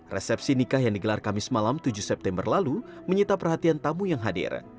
resepsi nikah yang digelar kamis malam tujuh september lalu menyita perhatian tamu yang hadir